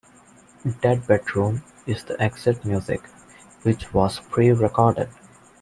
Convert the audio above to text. "Dead Bedroom" is the exit music, which was prerecorded.